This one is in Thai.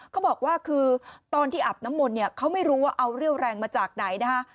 เขาบอกว่าคือตอนที่อาบน้ำมนต์เนี่ยเขาไม่รู้ว่าเอาเรี่ยวแรงมาจากไหนนะคะ